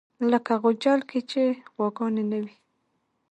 لکه غوجل کې چې غواګانې نه وي.